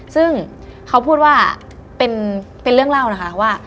ซึ่งเขาพูดว่าเป็นเรื่องเล่านะคะว่า